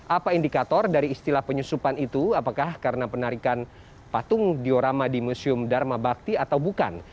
apa indikator dari istilah penyusupan itu apakah karena penarikan patung diorama di museum dharma bakti atau bukan